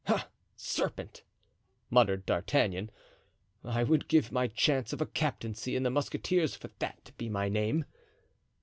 "Ah! serpent," muttered D'Artagnan, "I would give my chance of a captaincy in the mousquetaires for that to be my name."